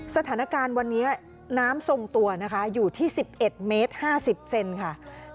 สถานการณ์วันนี้น้ำทรงตัวนะคะอยู่ที่๑๑เมตร๕๐เซนค่ะ